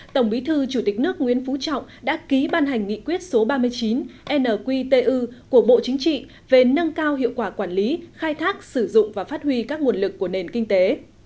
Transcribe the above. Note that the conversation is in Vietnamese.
tổng bí thư chủ tịch nước nguyễn phú trọng đã ký ban hành nghị quyết số ba mươi chín nqtu của bộ chính trị về nâng cao hiệu quả quản lý khai thác sử dụng và phát huy các nguồn lực của nền kinh tế